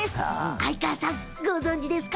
哀川さんご存じですか？